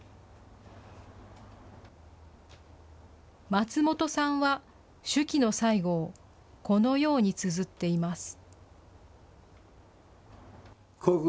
松本さんは、手記の最後をこのようにつづっています。